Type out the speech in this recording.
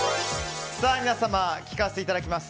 皆様、聞かせていただきます。